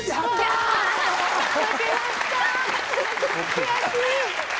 悔しい！